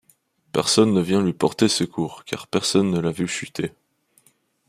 Personne ne vient lui porter secours, car personne ne l'a vue chuter.